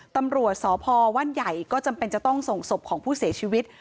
ตำรวจสพว่านใหญ่ก็จำเป็นจะต้องส่งศพของผู้เสียชีวิต